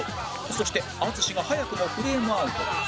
そして淳が早くもフレームアウト